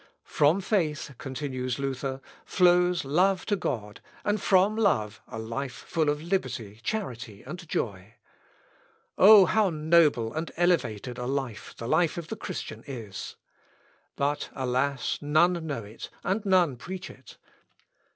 "From faith," continues Luther, "flows love to God, and from love a life full of liberty, charity, and joy. O how noble and elevated a life the life of the Christian is! But, alas, none know it and none preach it.